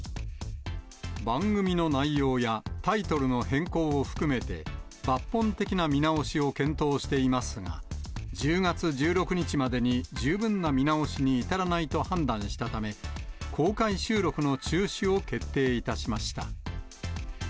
番組の内容やタイトルの変更を含めて、抜本的な見直しを検討していますが、１０月１６日までに十分な見直しに至らないと判断したため、公開収録の中止を決定いたしました。